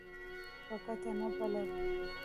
په ګټه نه بلل.